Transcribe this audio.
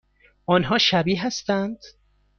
آنها شبیه هستند؟